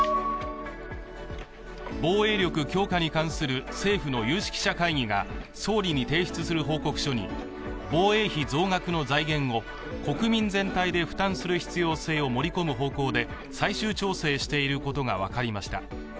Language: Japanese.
防衛力強化に関する政府の有識者会議が総理に提出する報告書に防衛費増額の財源を国民全体で負担する必要性を盛り込む方向で最終調整していることが分かりました。